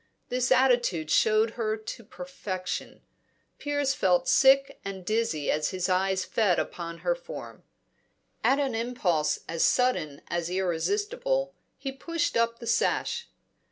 This attitude showed her to perfection. Piers felt sick and dizzy as his eyes fed upon her form. At an impulse as sudden as irresistible, he pushed up the sash.